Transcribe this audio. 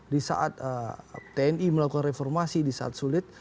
di saat tni melakukan reformasi di saat sulit